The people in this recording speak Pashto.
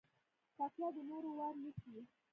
تکړه د نورو وار نيسي.